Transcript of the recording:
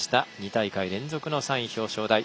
２大会連続の３位表彰台。